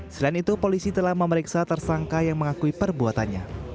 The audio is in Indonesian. selain itu polisi telah memeriksa tersangka yang mengakui perbuatannya